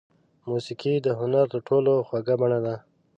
موسیقي د هنر تر ټولو خوږه بڼه ده.